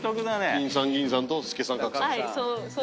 金さん銀さんと助さん格さん？